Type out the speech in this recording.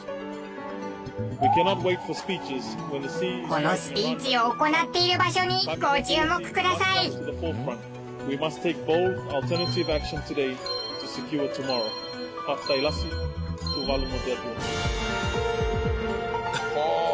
このスピーチを行っている場所にご注目ください！はあ。